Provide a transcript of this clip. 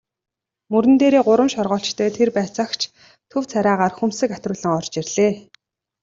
Мөрөн дээрээ гурван шоргоолжтой тэр байцаагч төв царайгаар хөмсөг атируулан орж ирлээ.